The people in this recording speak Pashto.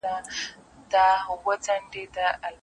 هلک دي لوی کړ د لونګو بوی یې ځینه